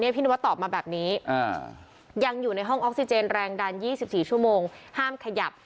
พี่นวัดตอบมาแบบนี้ยังอยู่ในห้องออกซิเจนแรงดัน๒๔ชั่วโมงห้ามขยับ